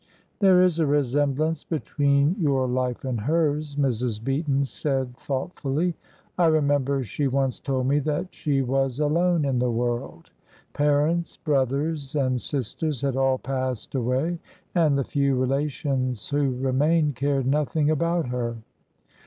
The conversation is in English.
"There is a resemblance between your life and hers," Mrs. Beaton said thoughtfully. "I remember she once told me that she was alone in the world; parents, brothers, and sisters had all passed away, and the few relations who remained cared nothing about her.